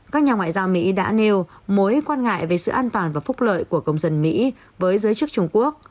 các nhà ngoại giao mỹ đã nêu mối quan ngại về sự an toàn và phúc lợi của công dân mỹ với giới chức trung quốc